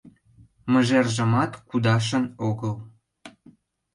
Мыжержымат кудашын огыл.